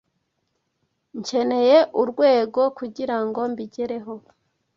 Nkeneye urwego kugirango mbigereho.